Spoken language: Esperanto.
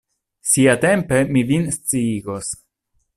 Siatempe mi vin sciigos.